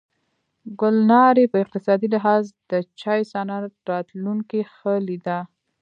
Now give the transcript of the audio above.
ګلنارې په اقتصادي لحاظ د چای صنعت راتلونکې ښه لیده.